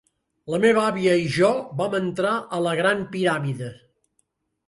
La meva àvia i jo vam entrar a la Gran Piràmide.